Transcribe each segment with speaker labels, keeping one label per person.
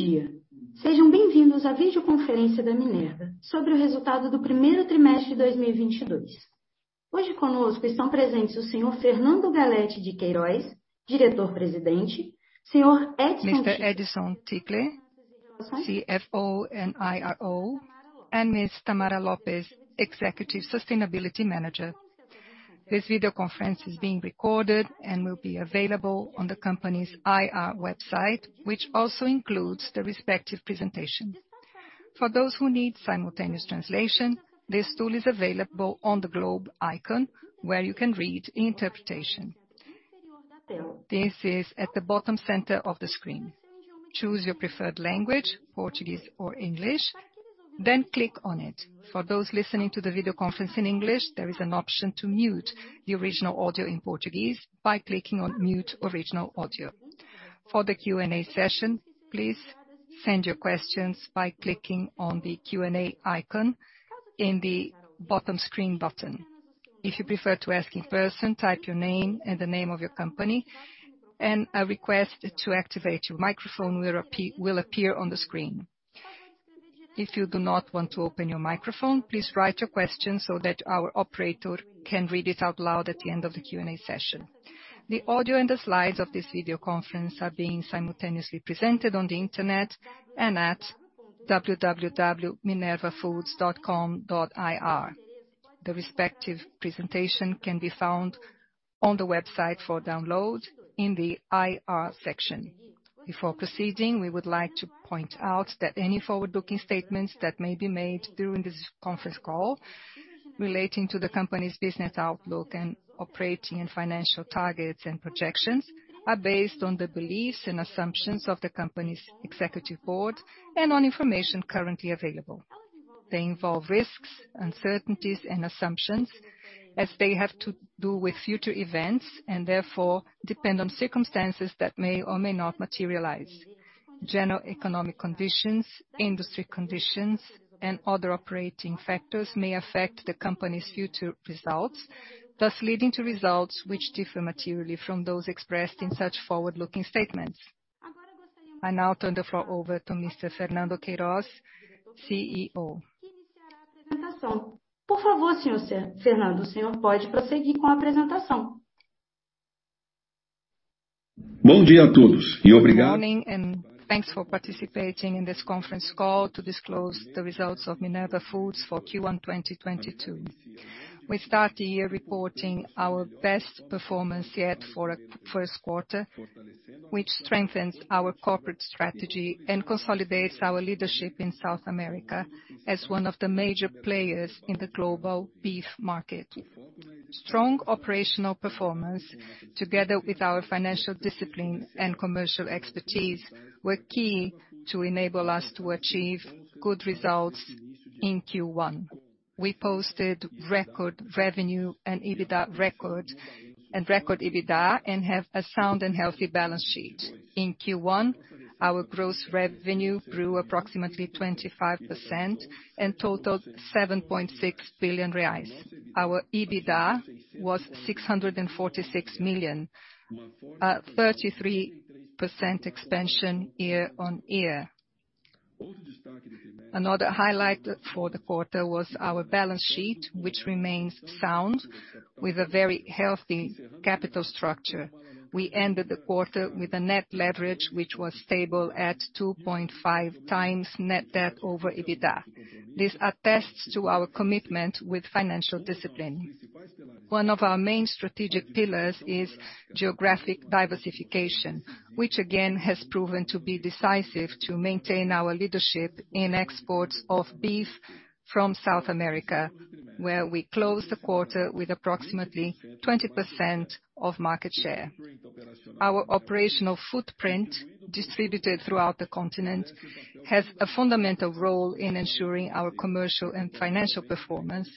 Speaker 1: Good day. Welcome to Minerva's conference call, discussing our Q1 2022 results. With us today are Fernando Galletti de Queiroz, President and CEO, Mr. Edison Ticle, CFO and IRO, and Ms. Tamara Leite Ferreira Lopes, Executive Sustainability Manager. This video conference is being recorded and will be available on the company's IR website, which also includes the respective presentation. For those who need simultaneous translation, this tool is available on the globe icon where you can read interpretation. This is at the bottom center of the screen. Choose your preferred language, Portuguese or English, then click on it. For those listening to the video conference in English, there is an option to mute the original audio in Portuguese by clicking on Mute Original Audio. For the Q&A session, please send your questions by clicking on the Q&A icon in the bottom screen button. If you prefer to ask in person, type your name and the name of your company, and a request to activate your microphone will appear on the screen. If you do not want to open your microphone, please write your question so that our operator can read it out loud at the end of the Q&A session. The audio and the slides of this video conference are being simultaneously presented on the Internet and at www.minervafoods.com/ir. The respective presentation can be found on the website for download in the IR section. Before proceeding, we would like to point out that any forward-looking statements that may be made during this conference call relating to the company's business outlook and operating and financial targets and projections are based on the beliefs and assumptions of the company's executive board and on information currently available.
Speaker 2: They involve risks, uncertainties and assumptions as they have to do with future events and therefore depend on circumstances that may or may not materialize. General economic conditions, industry conditions, and other operating factors may affect the company's future results, thus leading to results which differ materially from those expressed in such forward-looking statements. I now turn the floor over to Mr. Fernando Galletti de Queiroz, CEO. Good morning, and thanks for participating in this conference call to disclose the results of Minerva Foods for Q1 2022. We start the year reporting our best performance yet for a Q1, which strengthens our corporate strategy and consolidates our leadership in South America as one of the major players in the global beef market. Strong operational performance, together with our financial discipline and commercial expertise, were key to enable us to achieve good results in Q1.
Speaker 1: We posted record revenue and record EBITDA and have a sound and healthy balance sheet. In Q1, our gross revenue grew approximately 25% and totaled 7.6 billion reais. Our EBITDA was 646 million, a 33% expansion year-over-year. Another highlight for the quarter was our balance sheet, which remains sound with a very healthy capital structure. We ended the quarter with a net leverage, which was stable at 2.5x net debt over EBITDA. This attests to our commitment with financial discipline. One of our main strategic pillars is geographic diversification, which again has proven to be decisive to maintain our leadership in exports of beef from South America, where we closed the quarter with approximately 20% of market share. Our operational footprint distributed throughout the continent has a fundamental role in ensuring our commercial and financial performance,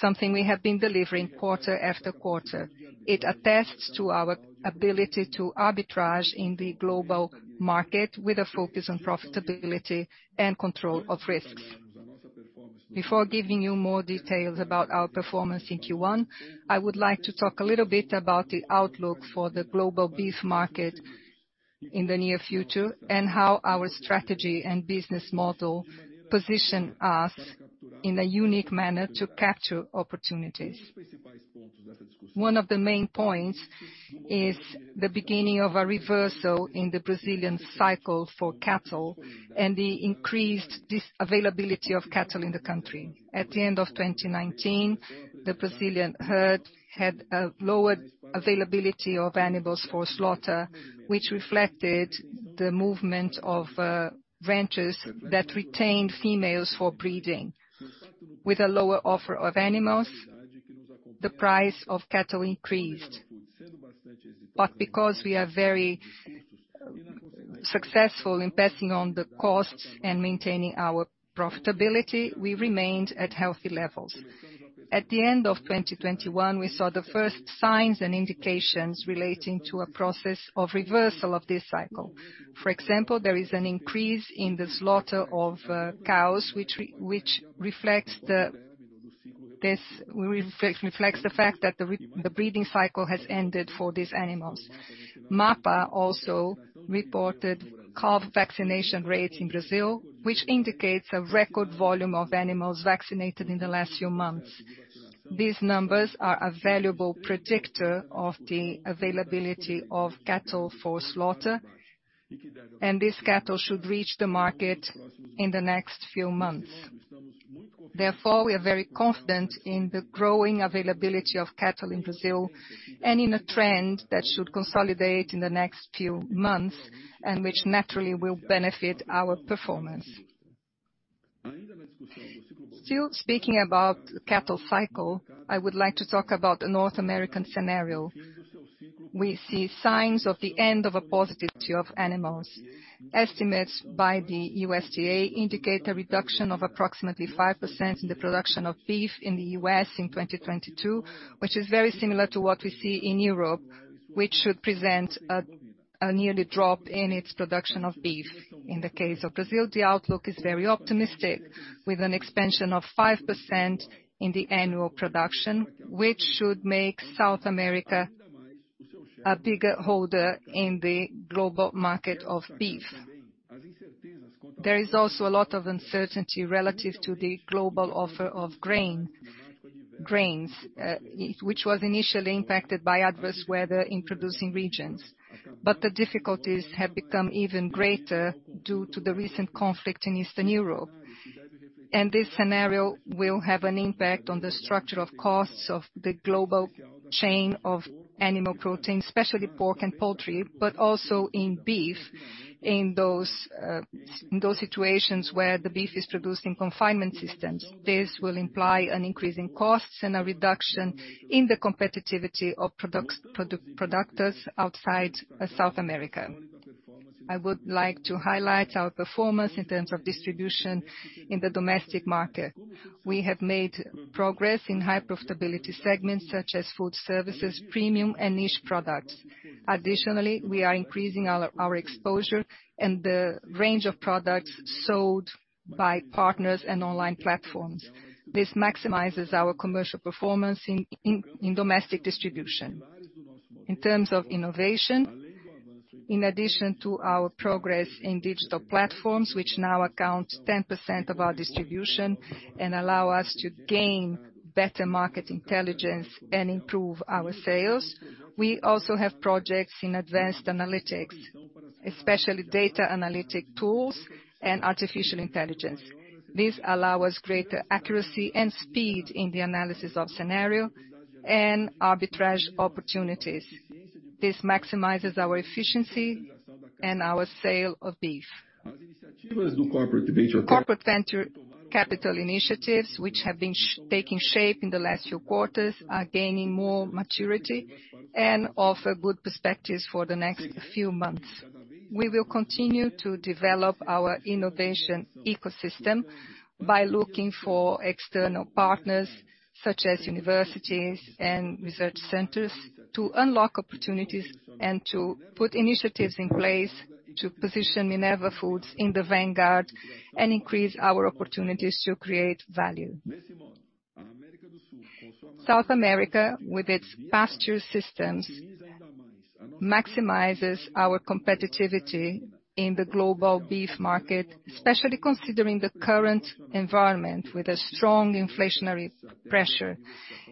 Speaker 1: something we have been delivering quarter after quarter. It attests to our ability to arbitrage in the global market with a focus on profitability and control of risks. Before giving you more details about our performance in Q1, I would like to talk a little bit about the outlook for the global beef market in the near future and how our strategy and business model position us in a unique manner to capture opportunities. One of the main points is the beginning of a reversal in the Brazilian cycle for cattle and the decreased availability of cattle in the country. At the end of 2019, the Brazilian herd had a lowered availability of animals for slaughter, which reflected the movement of ranchers that retained females for breeding. With a lower offer of animals, the price of cattle increased. Because we are very successful in passing on the costs and maintaining our profitability, we remained at healthy levels. At the end of 2021, we saw the first signs and indications relating to a process of reversal of this cycle. For example, there is an increase in the slaughter of cows which reflects the fact that the breeding cycle has ended for these animals. MAPA also reported calf vaccination rates in Brazil, which indicates a record volume of animals vaccinated in the last few months. These numbers are a valuable predictor of the availability of cattle for slaughter, and these cattle should reach the market in the next few months. Therefore, we are very confident in the growing availability of cattle in Brazil, and in a trend that should consolidate in the next few months, and which naturally will benefit our performance. Still speaking about the cattle cycle, I would like to talk about the North American scenario. We see signs of the end of a positivity of animals. Estimates by the USDA indicate a reduction of approximately 5% in the production of beef in the U.S. in 2022, which is very similar to what we see in Europe, which should present a yearly drop in its production of beef. In the case of Brazil, the outlook is very optimistic, with an expansion of 5% in the annual production, which should make South America a bigger holder in the global market of beef. There is also a lot of uncertainty relative to the global offer of grains, which was initially impacted by adverse weather in producing regions. The difficulties have become even greater due to the recent conflict in Eastern Europe. This scenario will have an impact on the structure of costs of the global chain of animal protein, especially pork and poultry, but also in beef, in those situations where the beef is produced in confinement systems. This will imply an increase in costs and a reduction in the competitiveness of producers outside of South America. I would like to highlight our performance in terms of distribution in the domestic market. We have made progress in high profitability segments such as food services, premium, and niche products. Additionally, we are increasing our exposure and the range of products sold by partners and online platforms. This maximizes our commercial performance in domestic distribution. In terms of innovation, in addition to our progress in digital platforms, which now account 10% of our distribution and allow us to gain better market intelligence and improve our sales, we also have projects in advanced analytics, especially data analytic tools and artificial intelligence. These allow us greater accuracy and speed in the analysis of scenario and arbitrage opportunities. This maximizes our efficiency and our sale of beef. Corporate venture capital initiatives which have been taking shape in the last few quarters are gaining more maturity and offer good perspectives for the next few months. We will continue to develop our innovation ecosystem by looking for external partners, such as universities and research centers, to unlock opportunities and to put initiatives in place to position Minerva Foods in the vanguard and increase our opportunities to create value. South America, with its pasture systems, maximizes our competitiveness in the global beef market, especially considering the current environment with a strong inflationary pressure.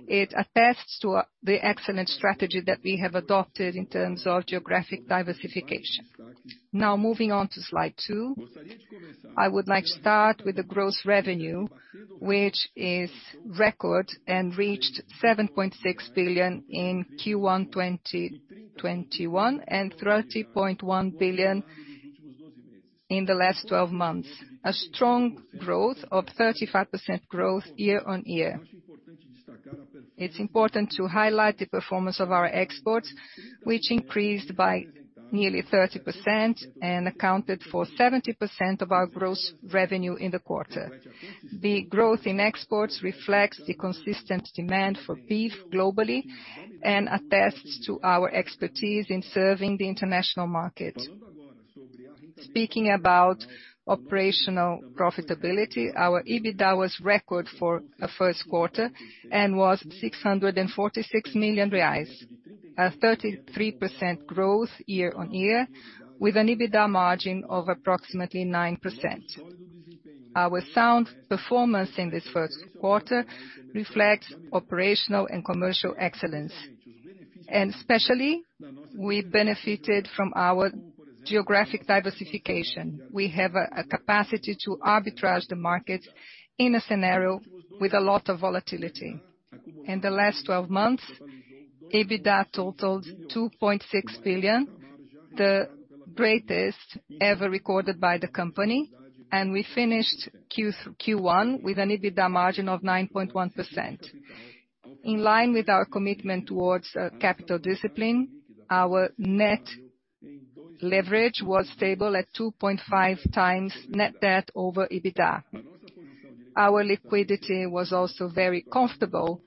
Speaker 1: It attests to the excellent strategy that we have adopted in terms of geographic diversification. Now moving on to slide two, I would like to start with the gross revenue, which is record and reached 7.6 billion in Q1 2021, and 30.1 billion in the last twelve months. A strong growth of 35% year-over-year. It's important to highlight the performance of our exports, which increased by nearly 30% and accounted for 70% of our gross revenue in the quarter. The growth in exports reflects the consistent demand for beef globally and attests to our expertise in serving the international markets. Speaking about operational profitability, our EBITDA was record for a Q1 and was 646 million reais, a 33% growth year-on-year with an EBITDA margin of approximately 9%. Our sound performance in this Q1 reflects operational and commercial excellence. Especially, we benefited from our geographic diversification. We have a capacity to arbitrage the market in a scenario with a lot of volatility. In the last twelve months, EBITDA totaled 2.6 billion, the greatest ever recorded by the company, and we finished Q1 with an EBITDA margin of 9.1%. In line with our commitment towards capital discipline, our net leverage was stable at 2.5x net debt over EBITDA. Our liquidity was also very comfortable.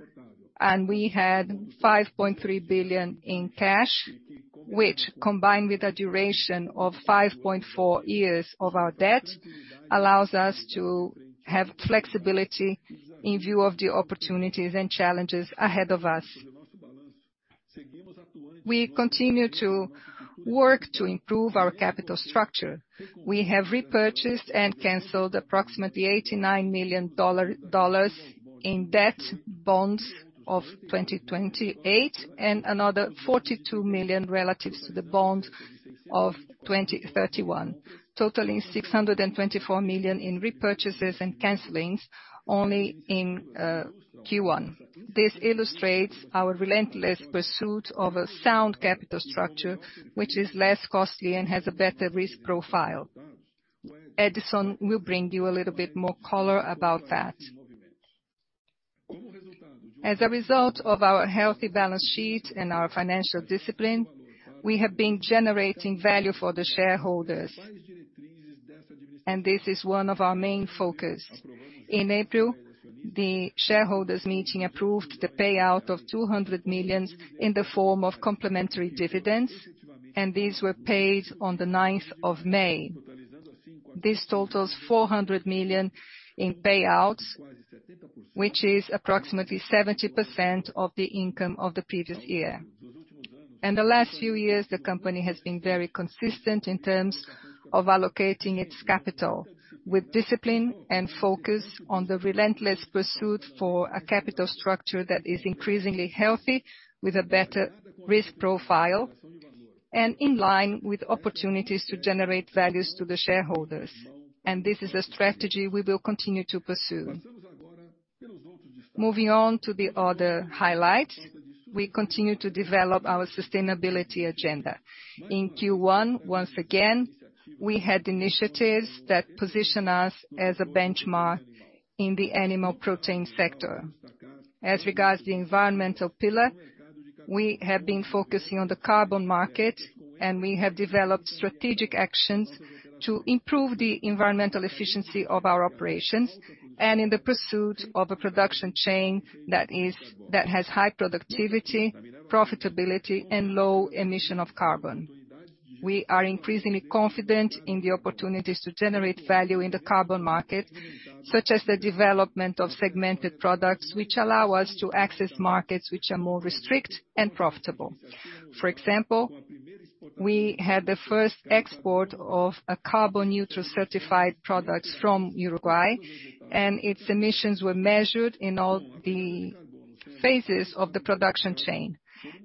Speaker 1: We had 5.3 billion in cash, which combined with the duration of 5.4 years of our debt, allows us to have flexibility in view of the opportunities and challenges ahead of us. We continue to work to improve our capital structure. We have repurchased and canceled approximately $89 million in debt bonds of 2028, and another $42 million relative to the bond of 2031. Totaling 624 million in repurchases and cancellations only in Q1. This illustrates our relentless pursuit of a sound capital structure, which is less costly and has a better risk profile. Edson will bring you a little bit more color about that. As a result of our healthy balance sheet and our financial discipline, we have been generating value for the shareholders, and this is one of our main focus. In April, the shareholders' meeting approved the payout of 200 million in the form of complementary dividends, and these were paid on the ninth of May. This totals 400 million in payouts, which is approximately 70% of the income of the previous year. In the last few years, the company has been very consistent in terms of allocating its capital with discipline and focus on the relentless pursuit for a capital structure that is increasingly healthy, with a better risk profile and in line with opportunities to generate values to the shareholders. This is a strategy we will continue to pursue. Moving on to the other highlights, we continue to develop our sustainability agenda. In Q1, once again, we had initiatives that position us as a benchmark in the animal protein sector. As regards the environmental pillar, we have been focusing on the carbon market and we have developed strategic actions to improve the environmental efficiency of our operations and in the pursuit of a production chain that has high productivity, profitability and low emission of carbon. We are increasingly confident in the opportunities to generate value in the carbon market, such as the development of segmented products which allow us to access markets which are more restricted and profitable. For example, we had the first export of a carbon-neutral certified products from Uruguay, and its emissions were measured in all the phases of the production chain.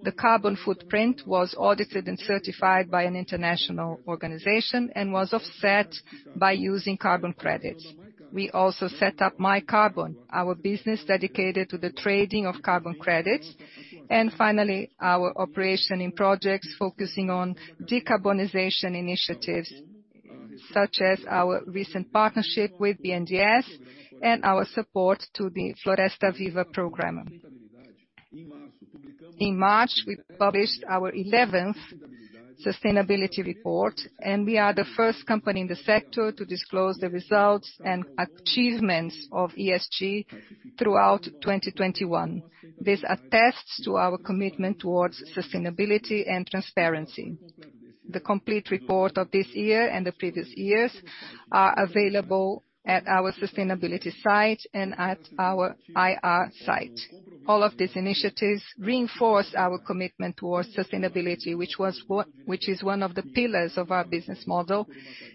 Speaker 1: The carbon footprint was audited and certified by an international organization and was offset by using carbon credits. We also set up MyCarbon, our business dedicated to the trading of carbon credits. Finally, our operation in projects focusing on decarbonization initiatives such as our recent partnership with BNDES and our support to the Floresta Viva program. In March, we published our eleventh sustainability report, and we are the first company in the sector to disclose the results and achievements of ESG throughout 2021. This attests to our commitment towards sustainability and transparency. The complete report of this year and the previous years are available at our sustainability site and at our IR site. All of these initiatives reinforce our commitment towards sustainability, which is one of the pillars of our business model,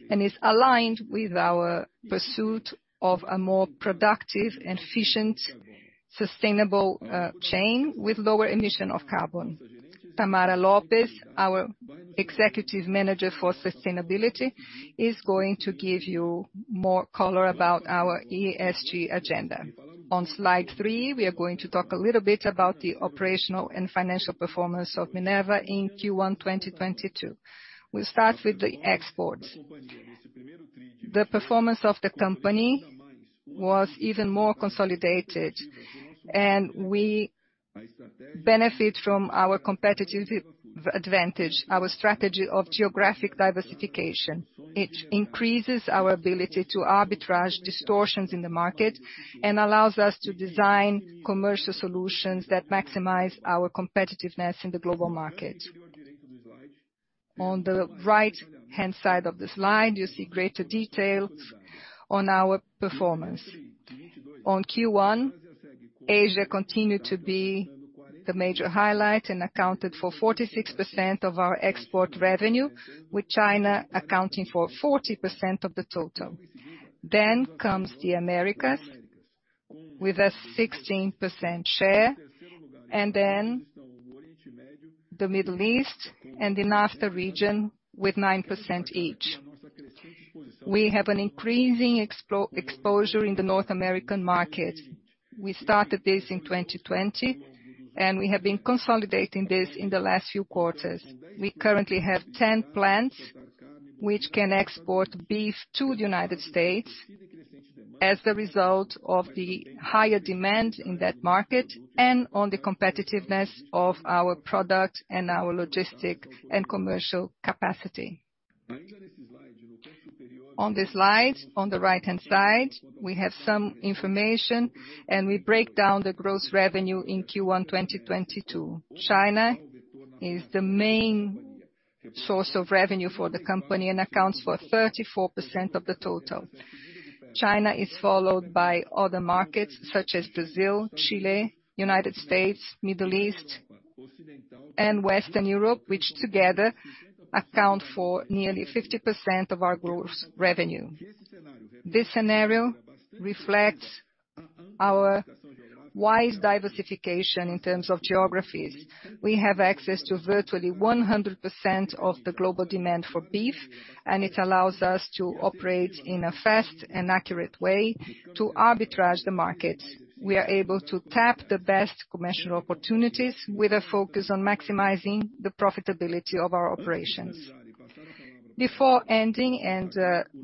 Speaker 1: and is aligned with our pursuit of a more productive and efficient sustainable chain with lower emission of carbon. Tamara Leite Ferreira Lopes, our Executive Sustainability Manager, is going to give you more color about our ESG agenda. On slide 3, we are going to talk a little bit about the operational and financial performance of Minerva in Q1 2022. We'll start with the exports. The performance of the company was even more consolidated, and we benefit from our competitive advantage, our strategy of geographic diversification. It increases our ability to arbitrage distortions in the market and allows us to design commercial solutions that maximize our competitiveness in the global market. On the right-hand side of the slide, you see greater detail on our performance. On Q1, Asia continued to be the major highlight and accounted for 46% of our export revenue, with China accounting for 40% of the total. The Americas with a 16% share, and the Middle East and the NAFTA region with 9% each. We have an increasing exposure in the North American market. We started this in 2020, and we have been consolidating this in the last few quarters. We currently have 10 plants which can export beef to the United States as a result of the higher demand in that market and on the competitiveness of our product and our logistical and commercial capacity. On this slide, on the right-hand side, we have some information, and we break down the gross revenue in Q1 2022. China is the main source of revenue for the company and accounts for 34% of the total. China is followed by other markets such as Brazil, Chile, United States, Middle East, and Western Europe, which together account for nearly 50% of our gross revenue. This scenario reflects our wise diversification in terms of geographies. We have access to virtually 100% of the global demand for beef, and it allows us to operate in a fast and accurate way to arbitrage the markets. We are able to tap the best commercial opportunities with a focus on maximizing the profitability of our operations. Before ending and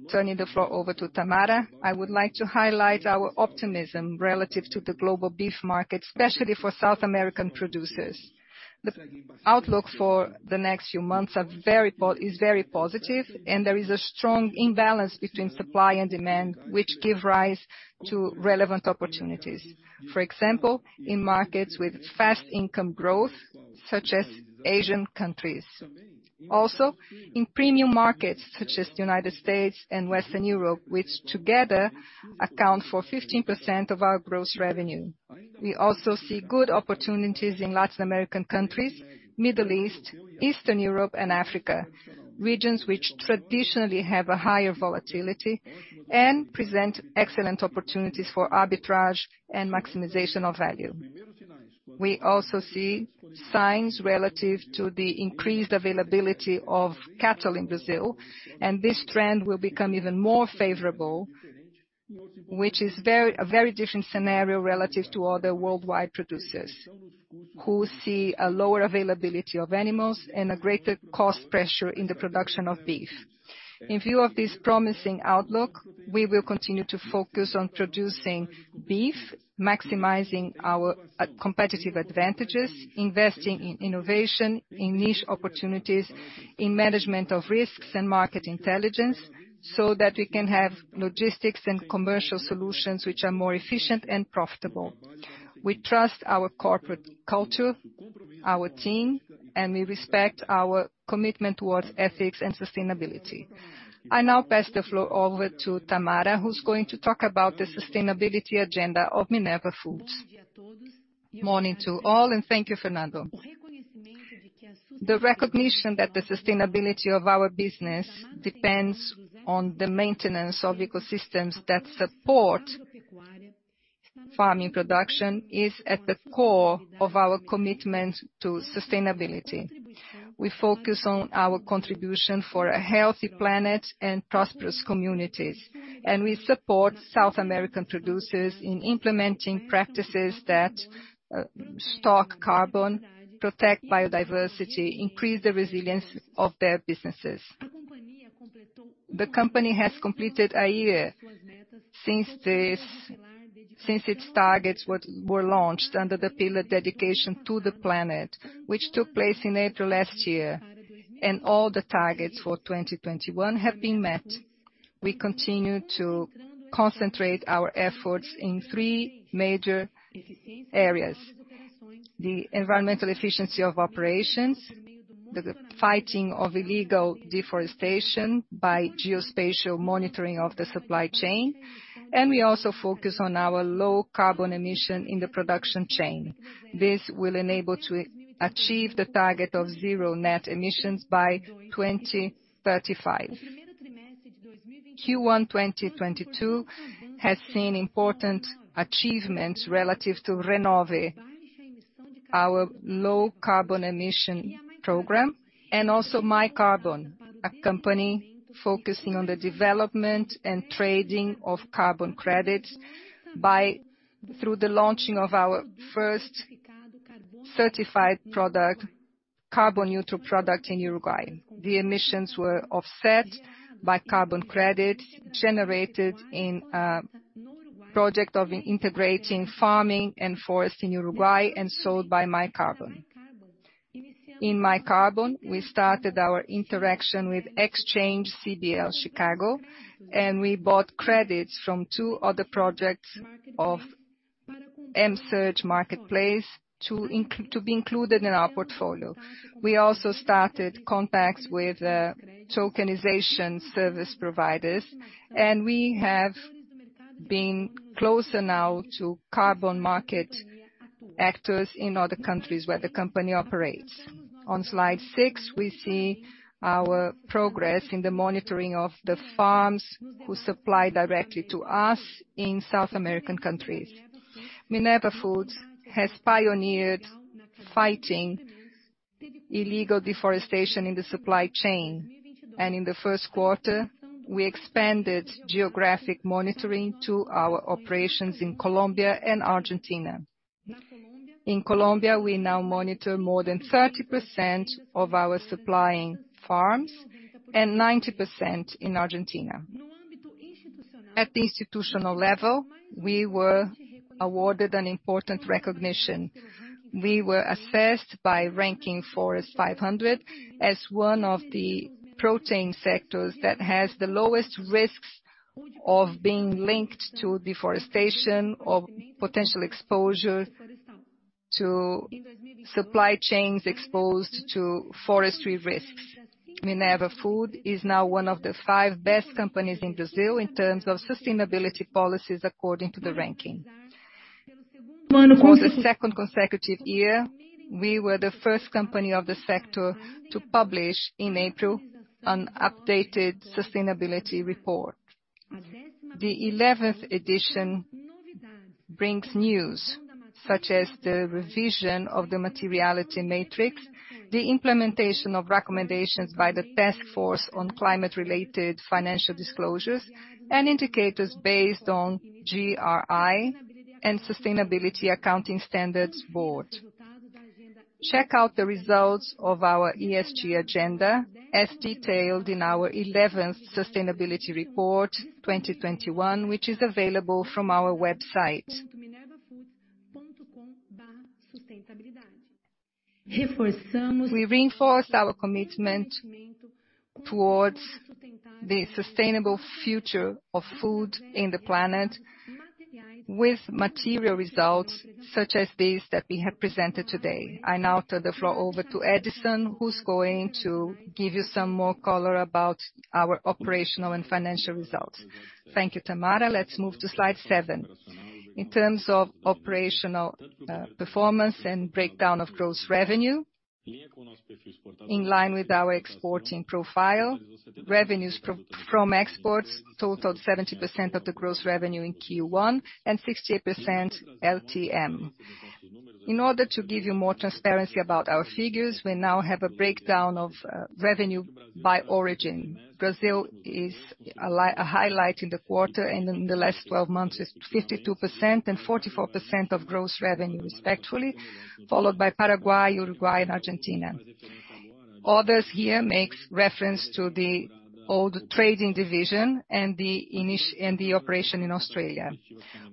Speaker 1: turning the floor over to Tamara, I would like to highlight our optimism relative to the global beef market, especially for South American producers. The outlook for the next few months is very positive and there is a strong imbalance between supply and demand, which give rise to relevant opportunities. For example, in markets with fast income growth, such as Asian countries. Also, in premium markets such as the United States and Western Europe, which together account for 15% of our gross revenue. We also see good opportunities in Latin American countries, Middle East, Eastern Europe and Africa, regions which traditionally have a higher volatility and present excellent opportunities for arbitrage and maximization of value. We also see signs relative to the increased availability of cattle in Brazil, and this trend will become even more favorable, which is a very different scenario relative to other worldwide producers who see a lower availability of animals and a greater cost pressure in the production of beef. In view of this promising outlook, we will continue to focus on producing beef, maximizing our competitive advantages, investing in innovation, in niche opportunities, in management of risks and market intelligence, so that we can have logistics and commercial solutions which are more efficient and profitable. We trust our corporate culture, our team, and we respect our commitment towards ethics and sustainability. I now pass the floor over to Tamara, who's going to talk about the sustainability agenda of Minerva Foods. Morning to all, and thank you, Fernando.
Speaker 3: The recognition that the sustainability of our business depends on the maintenance of ecosystems that support farming production is at the core of our commitment to sustainability. We focus on our contribution for a healthy planet and prosperous communities, and we support South American producers in implementing practices that stock carbon, protect biodiversity, increase the resilience of their businesses. The company has completed a year since its targets were launched under the pillar dedication to the planet, which took place in April last year, and all the targets for 2021 have been met. We continue to concentrate our efforts in three major areas, the environmental efficiency of operations, the fighting of illegal deforestation by geospatial monitoring of the supply chain, and we also focus on our low carbon emission in the production chain.
Speaker 1: This will enable to achieve the target of zero net emissions by 2035. Q1 2022 has seen important achievements relative to Renove, our low carbon emission program, and also MyCarbon, a company focusing on the development and trading of carbon credits through the launching of our first certified product, carbon-neutral product in Uruguay. The emissions were offset by carbon credit generated in project of integrating farming and forest in Uruguay and sold by MyCarbon. In MyCarbon, we started our interaction with Xpansiv CBL, and we bought credits from two other projects of M-Search Marketplace to be included in our portfolio. We also started contacts with tokenization service providers, and we have been closer now to carbon market actors in other countries where the company operates. On slide 6, we see our progress in the monitoring of the farms who supply directly to us in South American countries. Minerva Foods has pioneered fighting illegal deforestation in the supply chain, in the Q1, we expanded geographic monitoring to our operations in Colombia and Argentina. In Colombia, we now monitor more than 30% of our supplying farms and 90% in Argentina. At the institutional level, we were awarded an important recognition. We were assessed by Forest 500 as one of the protein sectors that has the lowest risks of being linked to deforestation or potential exposure to supply chains exposed to forestry risks. Minerva Foods is now one of the five best companies in Brazil in terms of sustainability policies according to the ranking. For the second consecutive year, we were the first company of the sector to publish in April an updated sustainability report. The eleventh edition brings news such as the revision of the materiality matrix, the implementation of recommendations by the Task Force on Climate-related Financial Disclosures, and indicators based on GRI and Sustainability Accounting Standards Board. Check out the results of our ESG agenda as detailed in our eleventh sustainability report, 2021, which is available from our website. We reinforce our commitment towards the sustainable future of food in the planet with material results such as these that we have presented today. I now turn the floor over to Edison, who's going to give you some more color about our operational and financial results. Thank you, Tamara. Let's move to slide 7.
Speaker 4: In terms of operational performance and breakdown of gross revenue, in line with our exporting profile, revenues from exports totaled 70% of the gross revenue in Q1 and 68% LTM. In order to give you more transparency about our figures, we now have a breakdown of revenue by origin. Brazil is a highlight in the quarter, and in the last twelve months is 52% and 44% of gross revenue respectively, followed by Paraguay, Uruguay, and Argentina. Others here makes reference to the old trading division and the operation in Australia.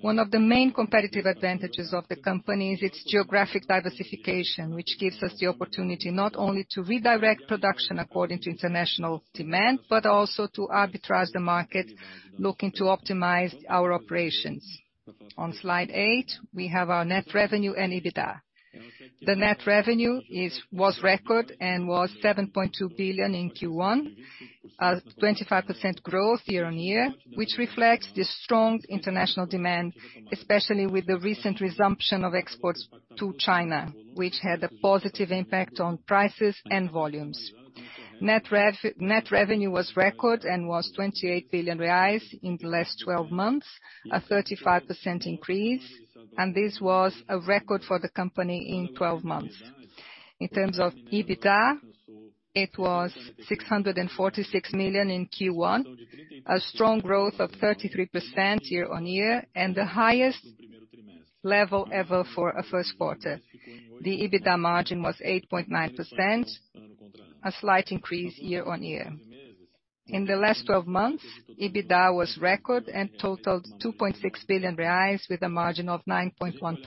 Speaker 4: One of the main competitive advantages of the company is its geographic diversification, which gives us the opportunity not only to redirect production according to international demand but also to arbitrage the market looking to optimize our operations. On Slide 8, we have our net revenue and EBITDA.
Speaker 1: The net revenue was record and was 7.2 billion in Q1, a 25% growth year-over-year, which reflects the strong international demand, especially with the recent resumption of exports to China, which had a positive impact on prices and volumes. Net revenue was record and was 28 billion reais in the last twelve months, a 35% increase, and this was a record for the company in twelve months. In terms of EBITDA, it was 646 million in Q1, a strong growth of 33% year-over-year and the highest level ever for a Q1. The EBITDA margin was 8.9%, a slight increase year-over-year. In the last twelve months, EBITDA was record and totaled 2.6 billion reais with a margin of 9.1%.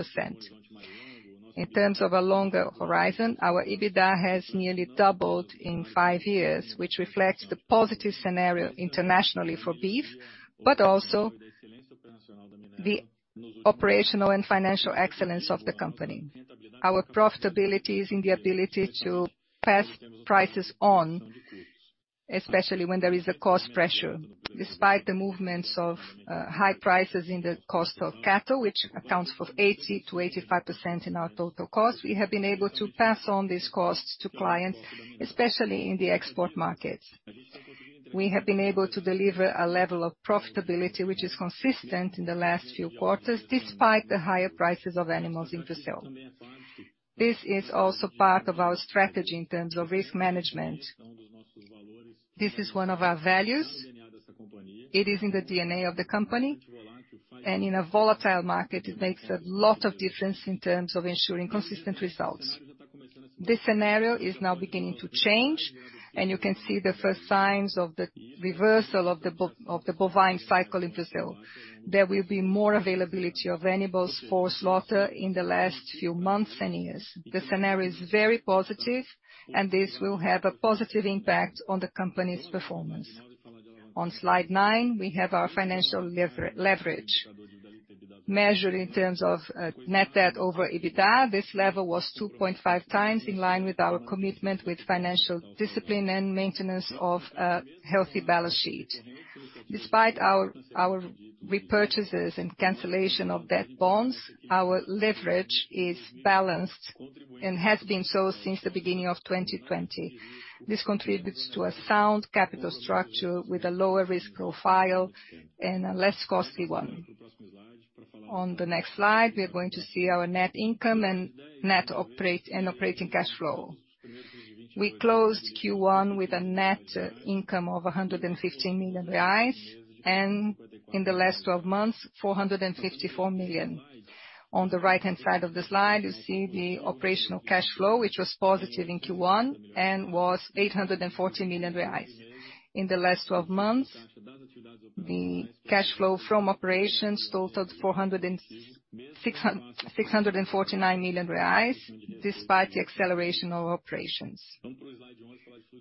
Speaker 1: In terms of a longer horizon, our EBITDA has nearly doubled in 5 years, which reflects the positive scenario internationally for beef, but also the operational and financial excellence of the company. Our profitability is in the ability to pass prices on, especially when there is a cost pressure. Despite the movements of high prices in the cost of cattle, which accounts for 80%-85% in our total cost, we have been able to pass on these costs to clients, especially in the export markets. We have been able to deliver a level of profitability which is consistent in the last few quarters, despite the higher prices of animals in Brazil. This is also part of our strategy in terms of risk management. This is one of our values. It is in the DNA of the company, and in a volatile market, it makes a lot of difference in terms of ensuring consistent results. This scenario is now beginning to change, and you can see the first signs of the reversal of the bovine cycle in Brazil. There will be more availability of animals for slaughter in the last few months and years. The scenario is very positive, and this will have a positive impact on the company's performance. On slide 9, we have our financial leverage measure in terms of net debt over EBITDA. This level was 2.5 times in line with our commitment with financial discipline and maintenance of a healthy balance sheet. Despite our repurchases and cancellation of debt bonds, our leverage is balanced and has been so since the beginning of 2020. This contributes to a sound capital structure with a lower risk profile and a less costly one. On the next slide, we are going to see our net income and operating cash flow. We closed Q1 with a net income of 115 million reais and in the last twelve months, 454 million. On the right-hand side of the slide, you see the operational cash flow, which was positive in Q1 and was 840 million reais. In the last twelve months, the cash flow from operations totaled 649 million reais despite the acceleration of operations.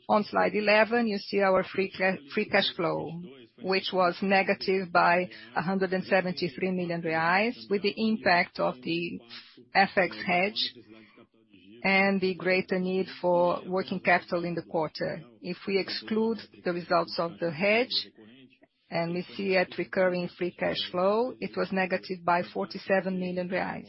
Speaker 1: On slide 11, you see our free cash flow, which was negative by 173 million reais with the impact of the FX hedge and the greater need for working capital in the quarter. If we exclude the results of the hedge and we see at recurring free cash flow, it was negative by 47 million reais.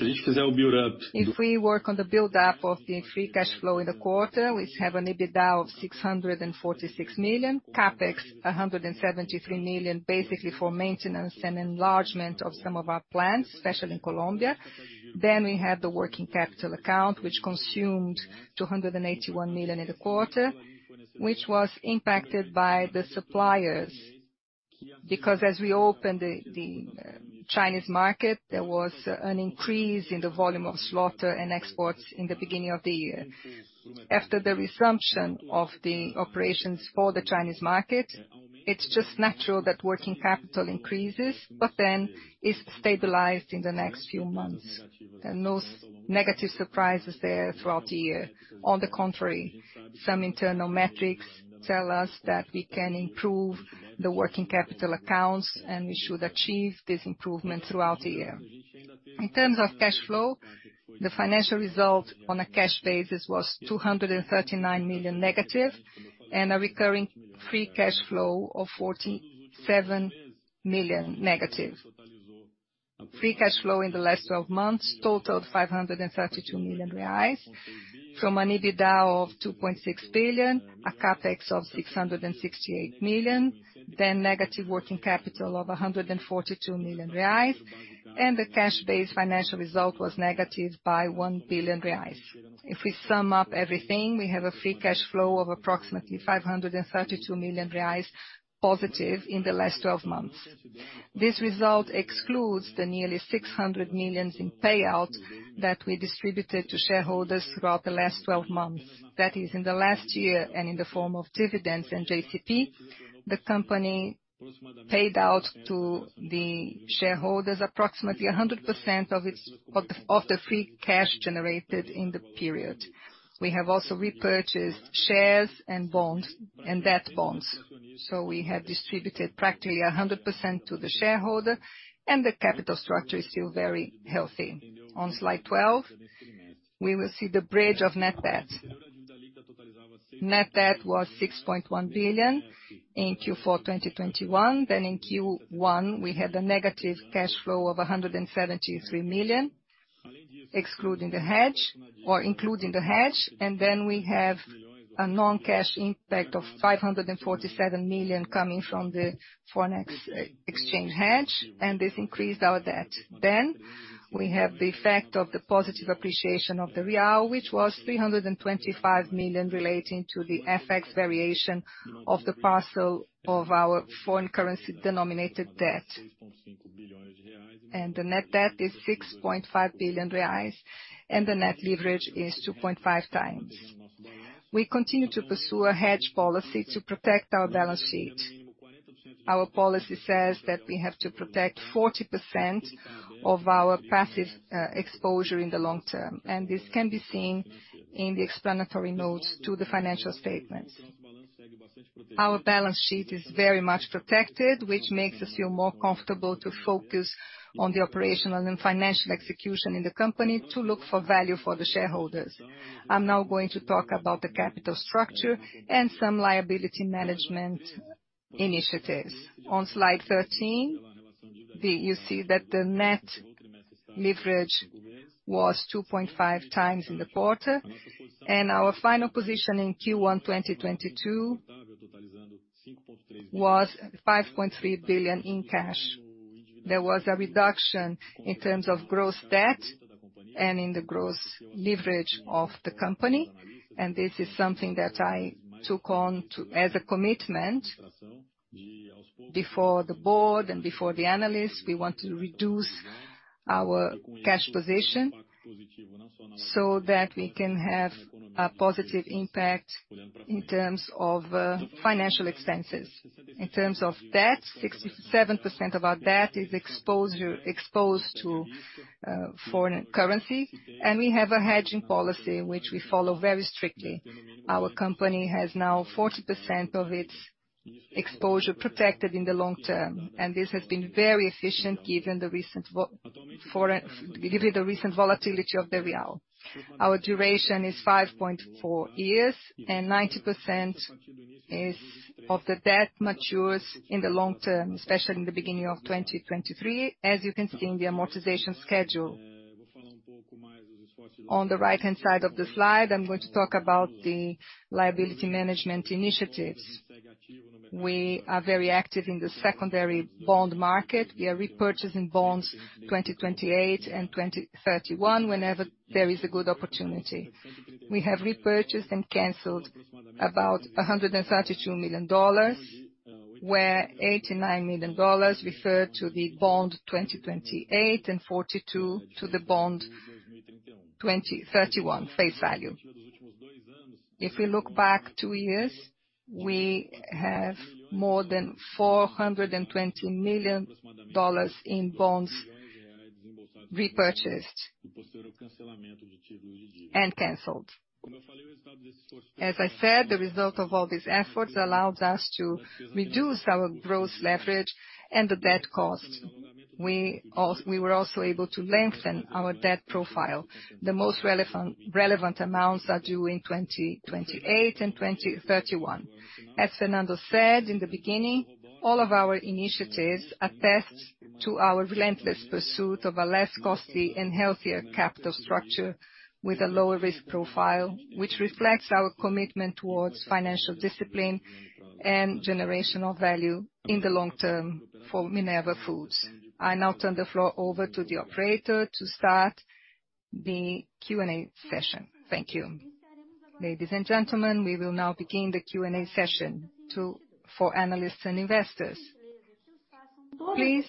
Speaker 1: If we work on the build-up of the free cash flow in the quarter, we have an EBITDA of 646 million, CapEx 173 million, basically for maintenance and enlargement of some of our plants, especially in Colombia. We have the working capital account, which consumed 281 million in the quarter, which was impacted by the suppliers. Because as we opened the Chinese market, there was an increase in the volume of slaughter and exports in the beginning of the year. After the resumption of the operations for the Chinese market, it's just natural that working capital increases, but then is stabilized in the next few months. There are no negative surprises there throughout the year. On the contrary, some internal metrics tell us that we can improve the working capital accounts, and we should achieve this improvement throughout the year. In terms of cash flow, the financial result on a cash basis was negative 239 million, and a recurring free cash flow of negative 47 million. Free cash flow in the last twelve months totaled 532 million reais from an EBITDA of 2.6 billion, a CapEx of 668 million, then negative working capital of 142 million reais, and the cash-based financial result was negative by 1 billion reais. If we sum up everything, we have a free cash flow of approximately 532 million reais positive in the last twelve months. This result excludes the nearly 600 million in payout that we distributed to shareholders throughout the last 12 months. That is in the last year and in the form of dividends and JCP. The company paid out to the shareholders approximately 100% of the free cash generated in the period. We have also repurchased shares and bonds and debt bonds. We have distributed practically 100% to the shareholder, and the capital structure is still very healthy. On slide 12, we will see the bridge of net debt. Net debt was 6.1 billion in Q4 2021. In Q1, we had a negative cash flow of 173 million, excluding the hedge or including the hedge. We have a non-cash impact of 547 million coming from the foreign exchange hedge, and this increased our debt. We have the effect of the positive appreciation of the real, which was 325 million relating to the FX variation of the portion of our foreign currency denominated debt. The net debt is 6.5 billion reais, and the net leverage is 2.5x. We continue to pursue a hedge policy to protect our balance sheet. Our policy says that we have to protect 40% of our net exposure in the long term, and this can be seen in the explanatory notes to the financial statements. Our balance sheet is very much protected, which makes us feel more comfortable to focus on the operational and financial execution in the company to look for value for the shareholders. I'm now going to talk about the capital structure and some liability management initiatives. On slide 13, you see that the net leverage was 2.5x in the quarter, and our final position in Q1 2022 was 5.3 billion in cash. There was a reduction in terms of gross debt and in the gross leverage of the company, and this is something that I took on as a commitment before the board and before the analysts. We want to reduce our cash position so that we can have a positive impact in terms of financial expenses. In terms of debt, 67% of our debt is exposed to foreign currency, and we have a hedging policy which we follow very strictly. Our company has now 40% of its exposure protected in the long term, and this has been very efficient given the recent volatility of the real. Our duration is 5.4 years, and 90% of the debt matures in the long term, especially in the beginning of 2023, as you can see in the amortization schedule. On the right-hand side of the slide, I'm going to talk about the liability management initiatives. We are very active in the secondary bond market. We are repurchasing bonds 2028 and 2031 whenever there is a good opportunity. We have repurchased and canceled about $132 million. Where $89 million referred to the bond 2028 and 42 to the bond 2031 face value. If we look back 2 years, we have more than $420 million in bonds repurchased and canceled. As I said, the result of all these efforts allowed us to reduce our gross leverage and the debt cost. We were also able to lengthen our debt profile. The most relevant amounts are due in 2028 and 2031. As Fernando said in the beginning, all of our initiatives attest to our relentless pursuit of a less costly and healthier capital structure with a lower risk profile, which reflects our commitment towards financial discipline and generational value in the long term for Minerva Foods. I now turn the floor over to the operator to start the Q&A session. Thank you. Ladies and gentlemen, we will now begin the Q&A session for analysts and investors. Please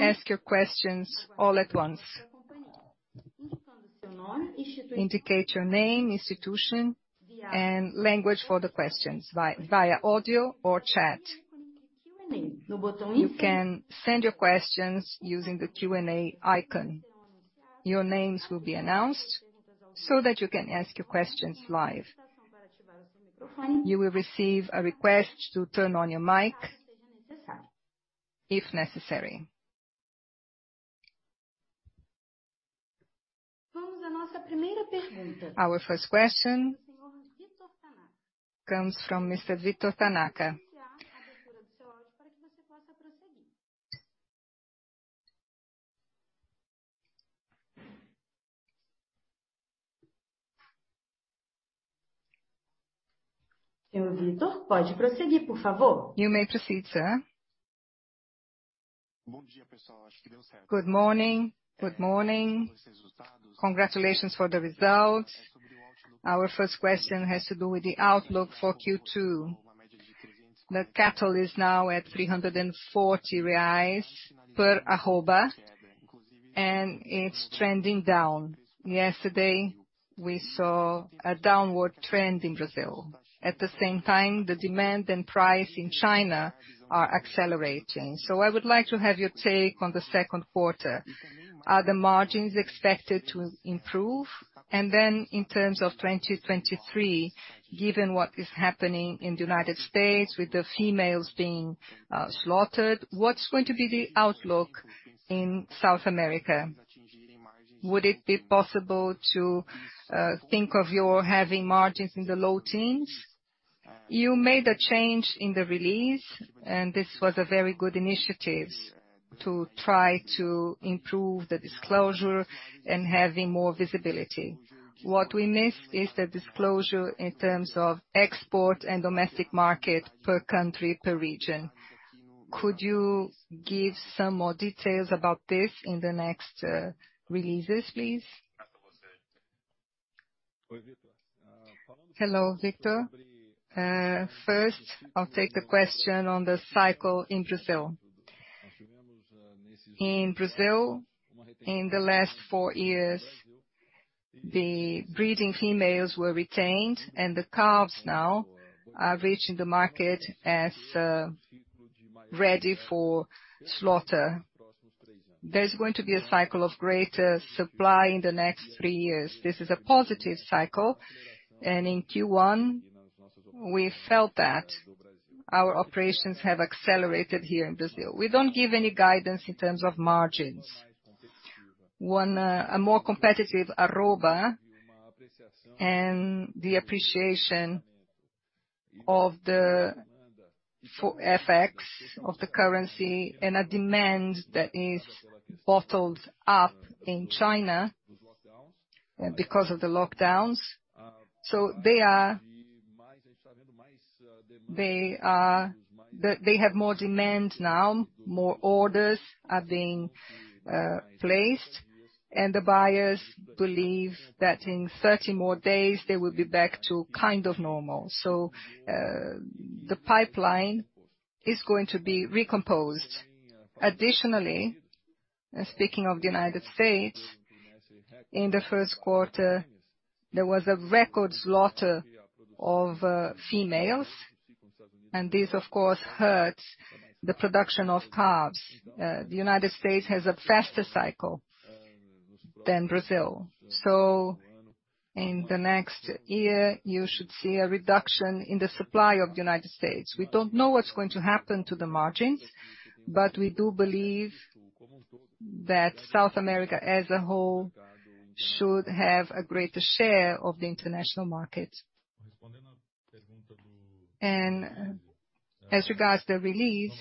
Speaker 1: ask your questions all at once. Indicate your name, institution, and language for the questions via audio or chat. You can send your questions using the Q&A icon. Your names will be announced so that you can ask your questions live. You will receive a request to turn on your mic, if necessary. Our first question comes from Mr. Vitor Tanaka. You may proceed, sir. Good morning. Good morning. Congratulations for the results. Our first question has to do with the outlook for Q2. The cattle is now at 340 reais per arroba, and it's trending down. Yesterday, we saw a downward trend in Brazil.
Speaker 5: At the same time, the demand and price in China are accelerating. I would like to have your take on the second quarter. Are the margins expected to improve? In terms of 2023, given what is happening in the United States with the females being slaughtered, what's going to be the outlook in South America? Would it be possible to think of your having margins in the low teens? You made a change in the release, and this was a very good initiatives to try to improve the disclosure and having more visibility. What we missed is the disclosure in terms of export and domestic market per country, per region. Could you give some more details about this in the next releases, please? Hello, Vitor. First, I'll take the question on the cycle in Brazil.
Speaker 1: In Brazil, in the last four years, the breeding females were retained and the calves now are reaching the market as ready for slaughter. There's going to be a cycle of greater supply in the next three years. This is a positive cycle, and in Q1, we felt that our operations have accelerated here in Brazil. We don't give any guidance in terms of margins. One, a more competitive arroba and the appreciation of the FX of the currency and a demand that is bottled up in China because of the lockdowns. They have more demand now, more orders are being placed, and the buyers believe that in 30 more days, they will be back to kind of normal. The pipeline is going to be recomposed. Additionally, speaking of the United States, in the Q1, there was a record slaughter of females, and this, of course, hurts the production of calves. The United States has a faster cycle than Brazil. In the next year, you should see a reduction in the supply of the United States. We don't know what's going to happen to the margins, but we do believe that South America as a whole should have a greater share of the international market. As regards the release,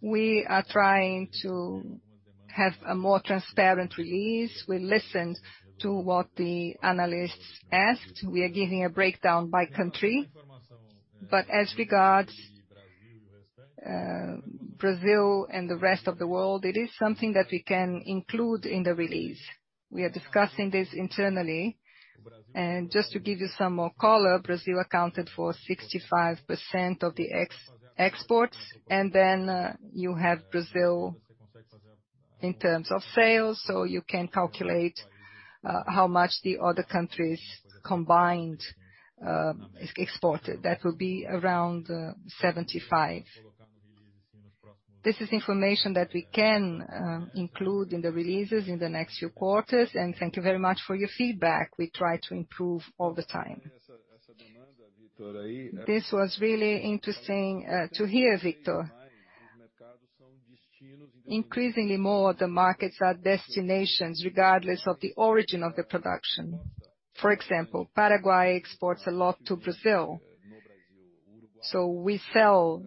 Speaker 1: we are trying to have a more transparent release. We listened to what the analysts asked. We are giving a breakdown by country. But as regards Brazil and the rest of the world, it is something that we can include in the release. We are discussing this internally. Just to give you some more color, Brazil accounted for 65% of the exports. Then you have Brazil in terms of sales, so you can calculate how much the other countries combined ex-exported. That will be around 75. This is information that we can include in the releases in the next few quarters, and thank you very much for your feedback. We try to improve all the time. This was really interesting to hear, Victor. Increasingly more, the markets are destinations regardless of the origin of the production. For example, Paraguay exports a lot to Brazil, so we sell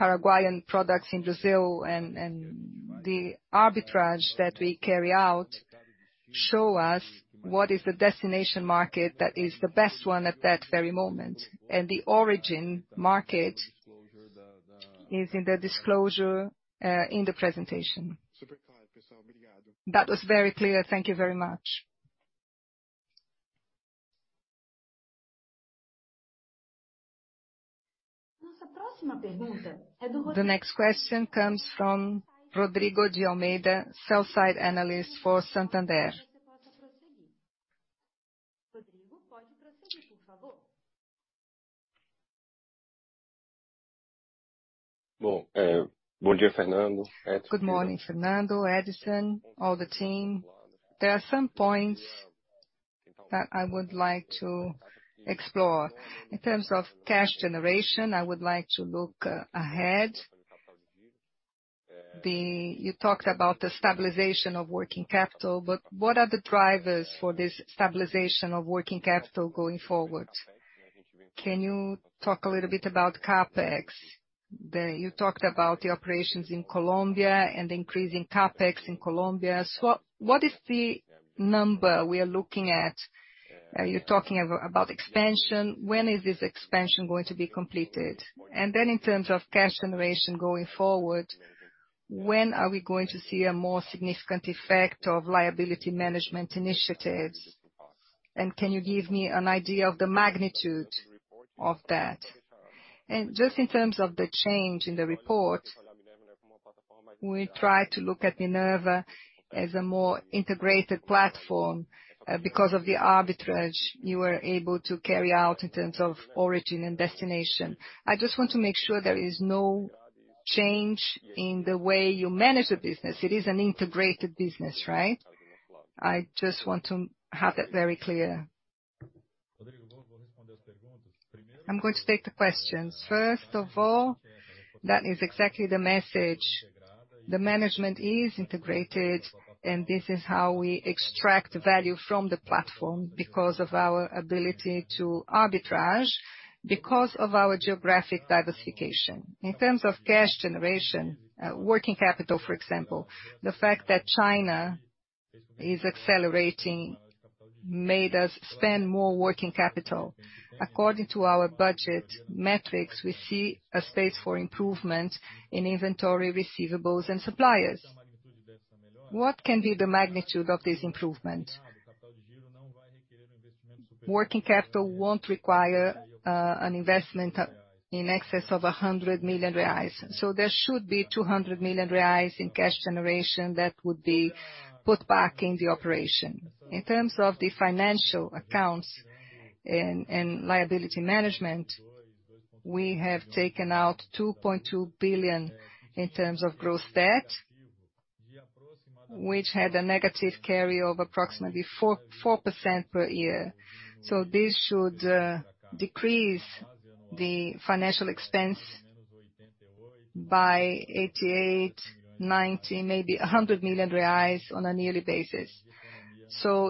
Speaker 1: Paraguayan products in Brazil and the arbitrage that we carry out show us what is the destination market that is the best one at that very moment. The origin market is in the disclosure in the presentation. That was very clear. Thank you very much. The next question comes from Rodrigo de Almeida, sell-side analyst for Santander. Good morning, Fernando, Edison, all the team. There are some points that I would like to explore. In terms of cash generation, I would like to look ahead. You talked about the stabilization of working capital, but what are the drivers for this stabilization of working capital going forward? Can you talk a little bit about CapEx? You talked about the operations in Colombia and increasing CapEx in Colombia. So what is the number we are looking at? Are you talking about expansion? When is this expansion going to be completed? And then in terms of cash generation going forward, when are we going to see a more significant effect of liability management initiatives? And can you give me an idea of the magnitude of that?
Speaker 6: Just in terms of the change in the report, we try to look at Minerva as a more integrated platform. Because of the arbitrage you were able to carry out in terms of origin and destination. I just want to make sure there is no change in the way you manage the business. It is an integrated business, right? I just want to have that very clear. I'm going to take the questions. First of all, that is exactly the message. The management is integrated, and this is how we extract value from the platform because of our ability to arbitrage, because of our geographic diversification. In terms of cash generation, working capital, for example, the fact that China is accelerating made us spend more working capital. According to our budget metrics, we see a space for improvement in inventory receivables and suppliers.
Speaker 1: What can be the magnitude of this improvement? Working capital won't require an investment in excess of 100 million reais. There should be 200 million reais in cash generation that would be put back in the operation. In terms of the financial accounts and liability management, we have taken out 2.2 billion in terms of gross debt, which had a negative carryover approximately 4% per year. This should decrease the financial expense by 88 million-90 million, maybe 100 million reais on a yearly basis.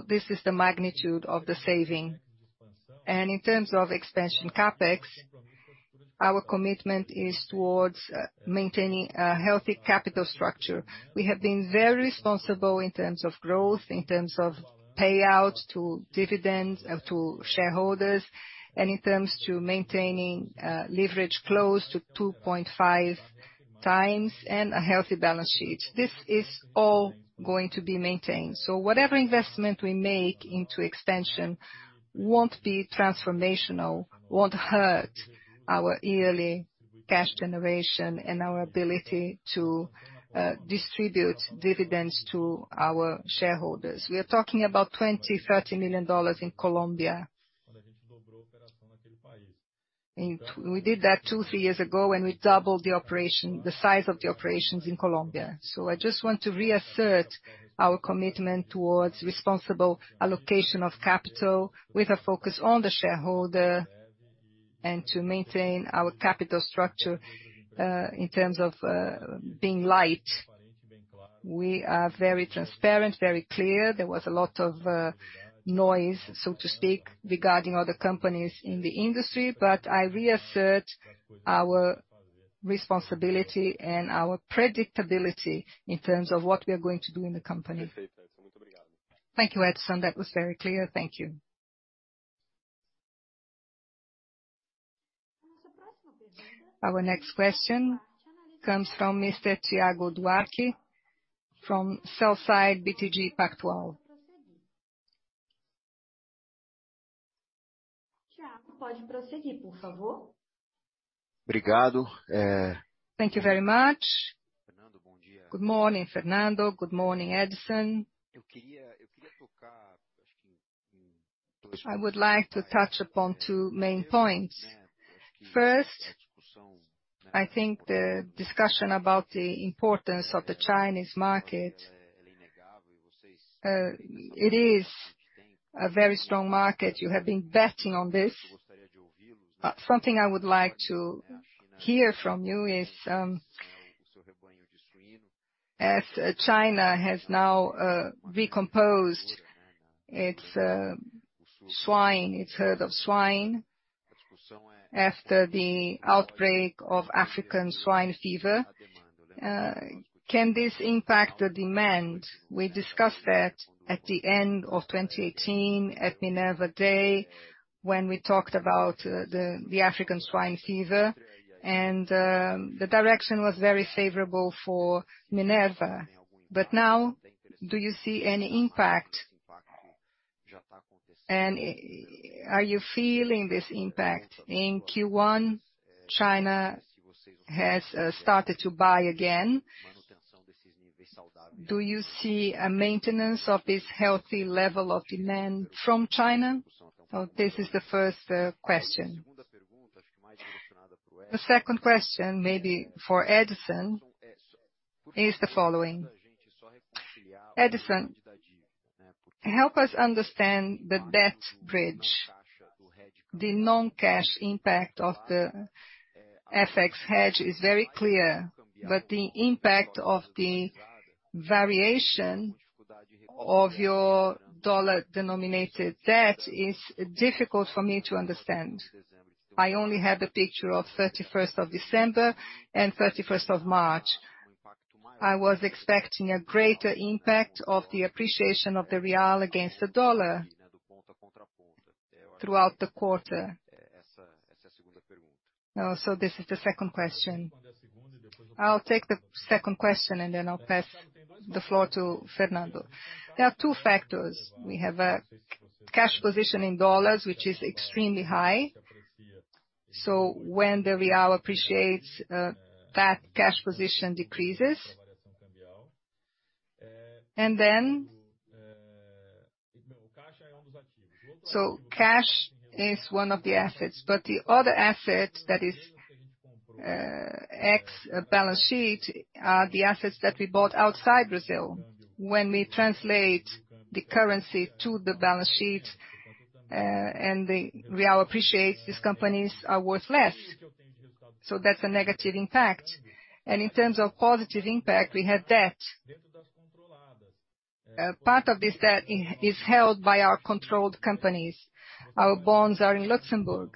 Speaker 1: This is the magnitude of the saving. In terms of expansion CapEx, our commitment is towards maintaining a healthy capital structure. We have been very responsible in terms of growth, in terms of payouts to dividends, to shareholders, and in terms of maintaining, leverage close to 2.5 times and a healthy balance sheet. This is all going to be maintained. Whatever investment we make into extension won't be transformational, won't hurt our yearly cash generation and our ability to, distribute dividends to our shareholders. We are talking about $20-$30 million in Colombia. We did that 2-3 years ago when we doubled the operation, the size of the operations in Colombia. I just want to reassert our commitment towards responsible allocation of capital with a focus on the shareholder and to maintain our capital structure, in terms of, being light. We are very transparent, very clear. There was a lot of noise, so to speak, regarding other companies in the industry. I reassert our responsibility and our predictability in terms of what we are going to do in the company. Thank you, Edison. That was very clear. Thank you. Our next question comes from Mr. Thiago Duarte from BTG Pactual. Thank you very much. Good morning, Fernando. Good morning, Edison. I would like to touch upon two main points. First, I think the discussion about the importance of the Chinese market, it is a very strong market. You have been betting on this. Something I would like to hear from you is, as China has now recomposed its swine, its herd of swine after the outbreak of African swine fever, can this impact the demand?
Speaker 7: We discussed that at the end of 2018 at Minerva Day, when we talked about the African swine fever, and the direction was very favorable for Minerva. Now, do you see any impact? Are you feeling this impact? In Q1, China has started to buy again. Do you see a maintenance of this healthy level of demand from China? This is the first question. The second question, maybe for Edison, is the following: Edison, help us understand the debt bridge. The non-cash impact of the FX hedge is very clear, but the impact of the variation of your dollar-denominated debt is difficult for me to understand. I only have the picture of December 31 and March 31. I was expecting a greater impact of the appreciation of the real against the dollar throughout the quarter.
Speaker 1: This is the second question. I'll take the second question, and then I'll pass the floor to Fernando. There are two factors. We have a cash position in dollars, which is extremely high. When the real appreciates, that cash position decreases. Cash is one of the assets. But the other asset that is off-balance sheet are the assets that we bought outside Brazil. When we translate the currency to the balance sheet, and the real appreciates, these companies are worth less. That's a negative impact. In terms of positive impact, we have debt. Part of this debt is held by our controlled companies. Our bonds are in Luxembourg.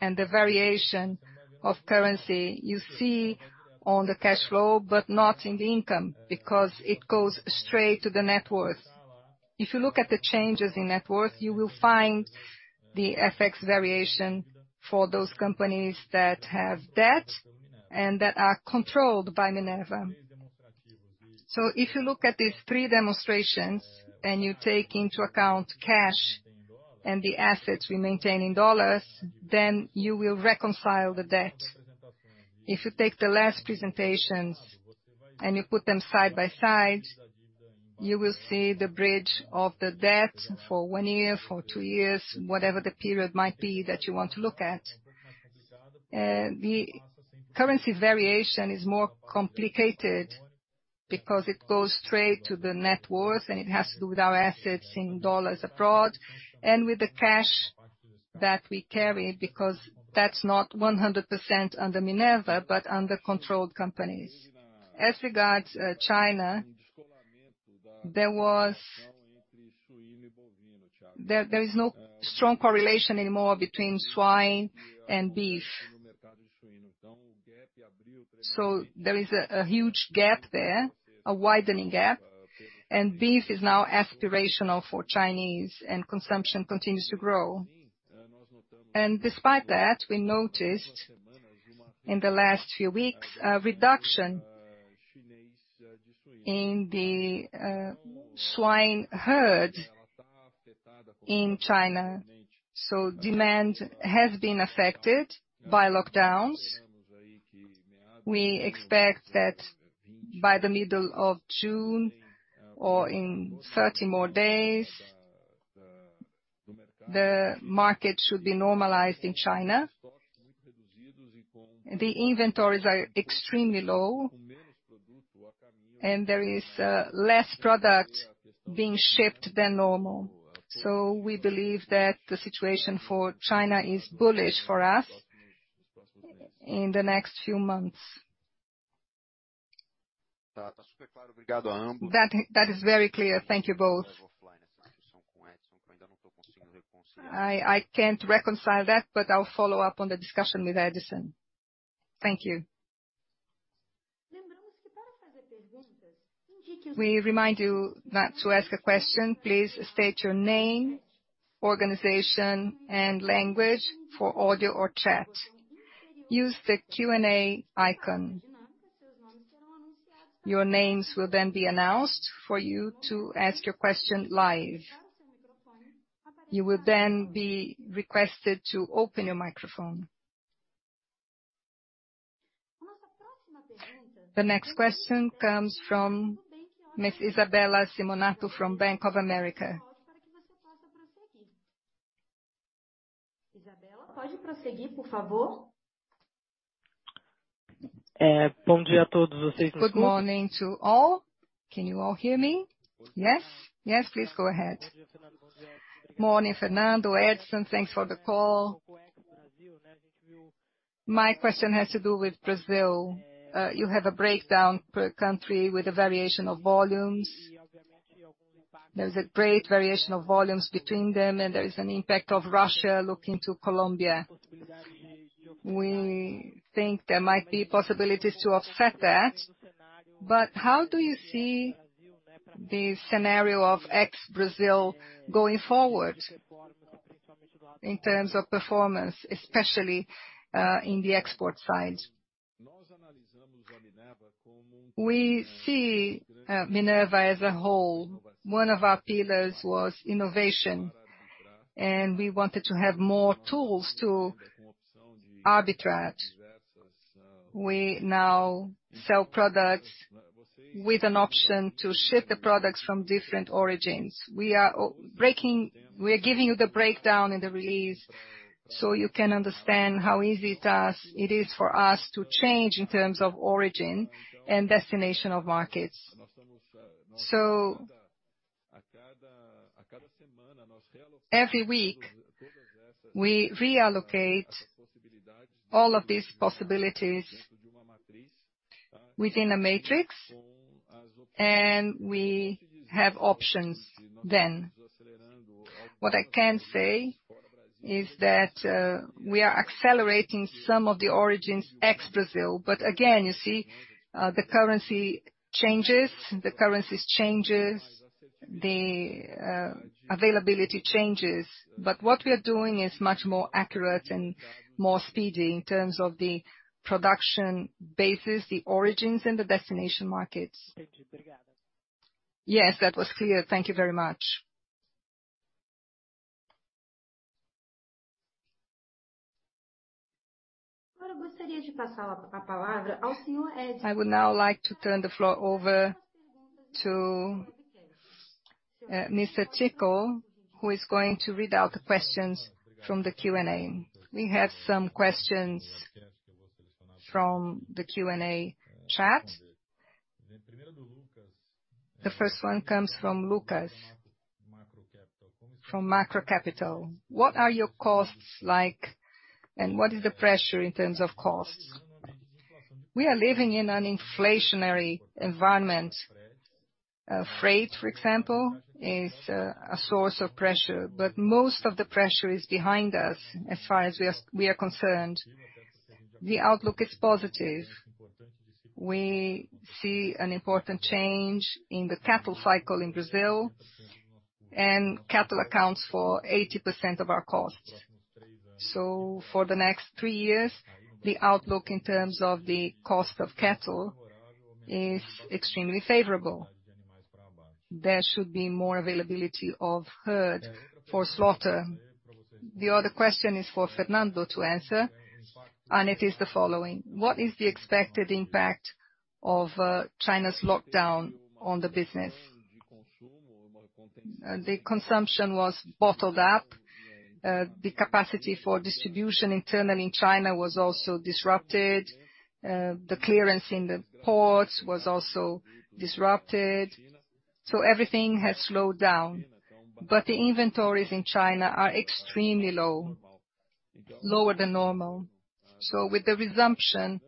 Speaker 1: The variation of currency you see on the cash flow but not in the income, because it goes straight to the net worth. If you look at the changes in net worth, you will find the FX variation for those companies that have debt and that are controlled by Minerva. If you look at these three demonstrations and you take into account cash and the assets we maintain in dollars, then you will reconcile the debt. If you take the last presentations and you put them side by side, you will see the bridge of the debt for one year, for two years, whatever the period might be that you want to look at. The currency variation is more complicated because it goes straight to the net worth, and it has to do with our assets in dollars abroad and with the cash that we carry, because that's not 100% under Minerva, but under controlled companies. As regards China, there was... There is no strong correlation anymore between swine and beef. There is a huge gap there, a widening gap, and beef is now aspirational for Chinese, and consumption continues to grow. Despite that, we noticed in the last few weeks a reduction in the swine herd in China. Demand has been affected by lockdowns. We expect that by the middle of June or in 30 more days, the market should be normalized in China. The inventories are extremely low, and there is less product being shipped than normal. We believe that the situation for China is bullish for us in the next few months. That is very clear. Thank you both. I can't reconcile that, but I'll follow up on the discussion with Edison.
Speaker 8: Thank you. We remind you that to ask a question, please state your name, organization, and language for audio or chat. Use the Q&A icon. Your names will then be announced for you to ask your question live. You will then be requested to open your microphone. The next question comes from Isabella Simonato from Bank of America. Good morning to all. Can you all hear me? Yes. Yes, please go ahead. Morning, Fernando, Edson. Thanks for the call. My question has to do with Brazil. You have a breakdown per country with a variation of volumes. There's a great variation of volumes between them, and there is an impact of Russia looking to Colombia. We think there might be possibilities to offset that, but how do you see the scenario of ex-Brazil going forward in terms of performance, especially in the export side?
Speaker 1: We see Minerva as a whole. One of our pillars was innovation, and we wanted to have more tools to arbitrate. We now sell products with an option to ship the products from different origins. We are giving you the breakdown in the release so you can understand how easy it is for us to change in terms of origin and destination of markets. Every week, we reallocate all of these possibilities within a matrix, and we have options then. What I can say is that we are accelerating some of the origins ex-Brazil. Again, you see the currency changes, the availability changes. What we are doing is much more accurate and more speedy in terms of the production bases, the origins and the destination markets. Yes, that was clear. Thank you very much. I would now like to turn the floor over to Mr. Edison Ticle, who is going to read out the questions from the Q&A. We have some questions from the Q&A chat. The first one comes from Lucas from Macro Capital. What are your costs like, and what is the pressure in terms of costs? We are living in an inflationary environment. Freight, for example, is a source of pressure, but most of the pressure is behind us as far as we are concerned. The outlook is positive. We see an important change in the cattle cycle in Brazil, and cattle accounts for 80% of our costs. For the next three years, the outlook in terms of the cost of cattle is extremely favorable. There should be more availability of herd for slaughter. The other question is for Fernando to answer, and it is the following: What is the expected impact of China's lockdown on the business? The consumption was bottled up. The capacity for distribution internally in China was also disrupted. The clearance in the ports was also disrupted. Everything has slowed down. The inventories in China are extremely low, lower than normal. With the resumption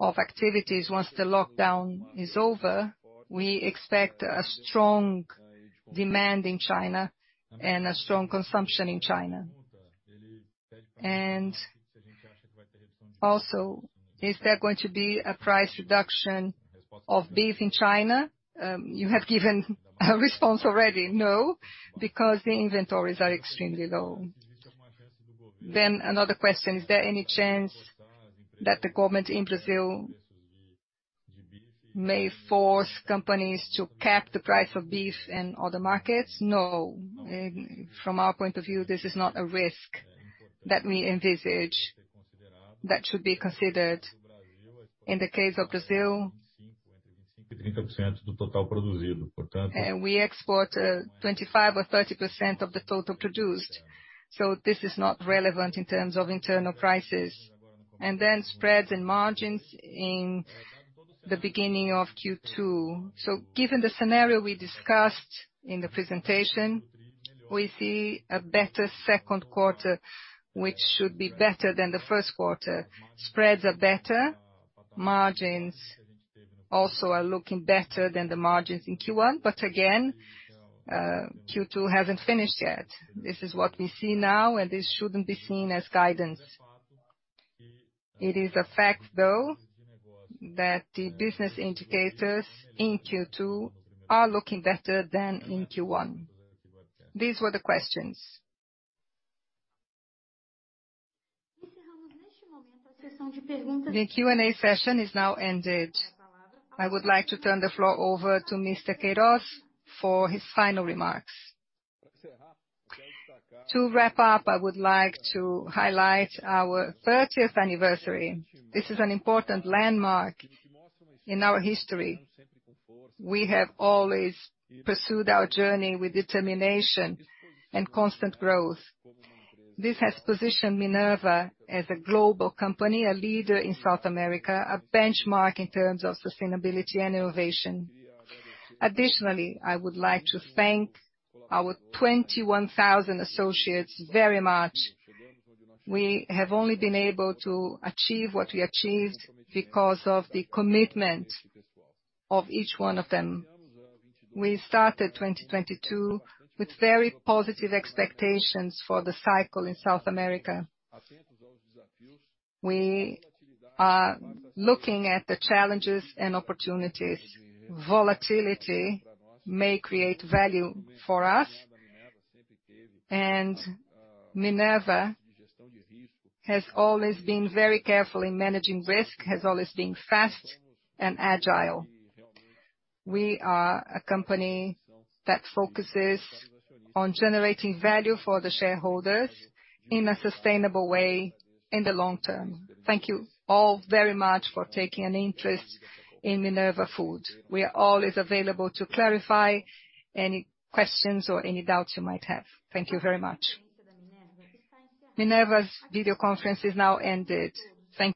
Speaker 1: of activities once the lockdown is over, we expect a strong demand in China and a strong consumption in China. Also, is there going to be a price reduction of beef in China? You have given a response already. No, because the inventories are extremely low. Another question: Is there any chance that the government in Brazil may force companies to cap the price of beef in other markets? No. From our point of view, this is not a risk that we envisage that should be considered. In the case of Brazil, we export 25% or 30% of the total produced, so this is not relevant in terms of internal prices. Spreads and margins in the beginning of Q2. Given the scenario we discussed in the presentation, we see a better second quarter, which should be better than the Q1. Spreads are better. Margins also are looking better than the margins in Q1. Again, Q2 hasn't finished yet. This is what we see now, and this shouldn't be seen as guidance. It is a fact, though, that the business indicators in Q2 are looking better than in Q1. These were the questions. The Q&A session is now ended. I would like to turn the floor over to Mr.
Speaker 2: Queiroz for his final remarks. To wrap up, I would like to highlight our 30th anniversary. This is an important landmark in our history. We have always pursued our journey with determination and constant growth. This has positioned Minerva as a global company, a leader in South America, a benchmark in terms of sustainability and innovation. Additionally, I would like to thank our 21,000 associates very much. We have only been able to achieve what we achieved because of the commitment of each one of them. We started 2022 with very positive expectations for the cycle in South America. We are looking at the challenges and opportunities. Volatility may create value for us, and Minerva has always been very careful in managing risk, has always been fast and agile.
Speaker 1: We are a company that focuses on generating value for the shareholders in a sustainable way in the long term. Thank you all very much for taking an interest in Minerva Foods. We are always available to clarify any questions or any doubts you might have. Thank you very much. Minerva Foods' video conference is now ended. Thank you.